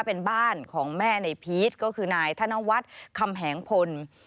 เป็นบ้านของแม่ในพีชก็คือนายธนวัฒน์คำแหงพล